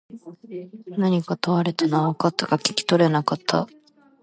何か問われたのは分かったが、聞き取れなかった。